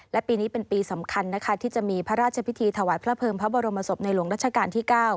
และปีนี้เป็นปีสำคัญนะคะที่จะมีพระราชพิธีถวายพระเภิงพระบรมศพในหลวงรัชกาลที่๙